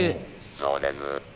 「そうです」。